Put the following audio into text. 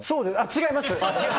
違います！